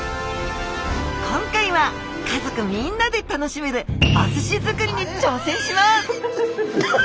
今回は家族みんなで楽しめるお寿司づくりにちょうせんします！